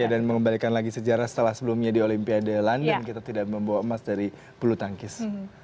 ya dan mengembalikan lagi sejarah setelah sebelumnya di olimpiade london kita tidak membawa emas dari bulu tangkis